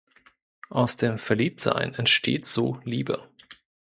Aus dem "verliebt sein" entsteht so Liebe.